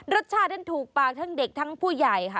รสชาตินั้นถูกปากทั้งเด็กทั้งผู้ใหญ่ค่ะ